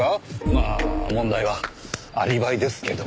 まあ問題はアリバイですけどもね。